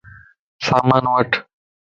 سامان وٺ